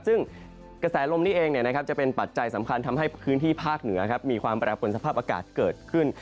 ซึ่งกระแสลมนี้เองจะเป็นปัจจัยสำคัญทำให้พื้นที่ภาคเหนือมีความแปรปนสภาพอากาศเกิดขึ้น